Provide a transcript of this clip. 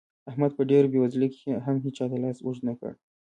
احمد په ډېره بېوزلۍ کې هم هيچا ته لاس اوږد نه کړ.